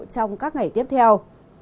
trong các ngày tiếp theo